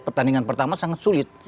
pertandingan pertama sangat sulit